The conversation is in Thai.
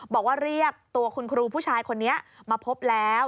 บอกว่าเรียกตัวคุณครูผู้ชายคนนี้มาพบแล้ว